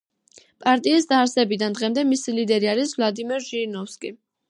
პარტიის დაარსებიდან დღემდე მისი ლიდერი არის ვლადიმერ ჟირინოვსკი.